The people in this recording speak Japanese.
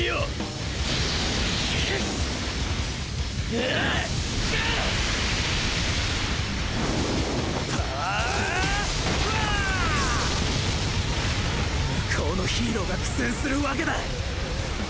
向こうのヒーローが苦戦するわけだ。